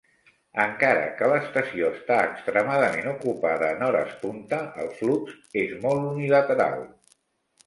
Encara que la estació està extremadament ocupada en hores punta, el flux és molt unilateral.